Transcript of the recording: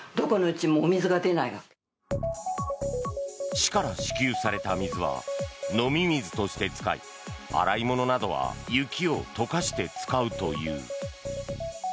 市から支給された水は飲み水として使い洗い物などは雪を溶かして使うという。